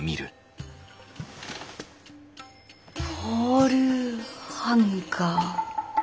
ポールハンガー？